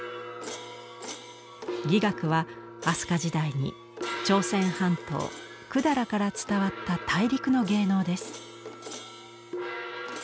「伎楽」は飛鳥時代に朝鮮半島百済から伝わった大陸の芸能です。